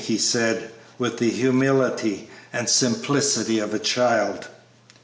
he said, with the humility and simplicity of a child.